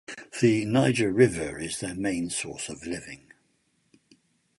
The Niger River is their main source of living.